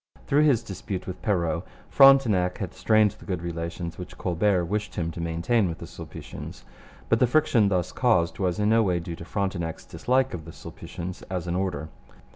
Through his dispute with Perrot, Frontenac had strained the good relations which Colbert wished him to maintain with the Sulpicians. But the friction thus caused was in no way due to Frontenac's dislike of the Sulpicians as an order.